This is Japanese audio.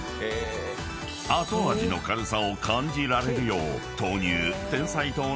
［後味の軽さを感じられるよう］